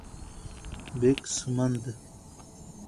-بیک سمند: